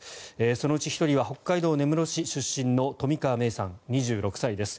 そのうち１人は北海道根室市出身の冨川芽生さん、２６歳です。